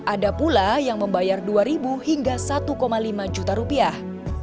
ada pula yang membayar dua hingga satu lima juta rupiah